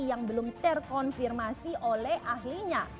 yang belum terkonfirmasi oleh ahlinya